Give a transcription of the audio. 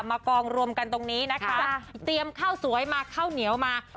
มากองรวมกันตรงนี้นะคะเตรียมข้าวสวยมาข้าวเหนียวมา